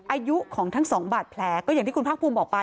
อายุของทั้งสองบาดแผลก็อย่างที่คุณภาคภูมิบอกไป